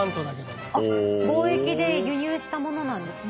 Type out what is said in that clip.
あっ貿易で輸入したものなんですね。